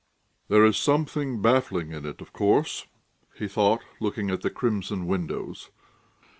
"There is something baffling in it, of course ..." he thought, looking at the crimson windows.